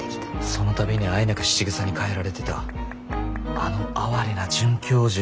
その度にあえなく質ぐさにかえられてたあの哀れな准教授。